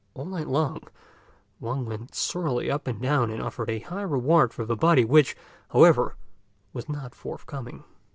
All night long Wang went sorrowfully up and down, and offered a high reward for the body, which, however, was not forthcoming.